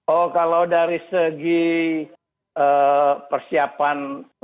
oh kalau dari segi persiapan untuk suatu